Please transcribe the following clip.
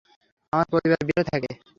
আমার পরিবার বিহারে থাকে।